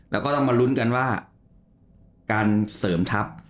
แล้วก็ต้องมาลุ้นกันว่าการเสริมทัพ